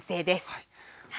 はい。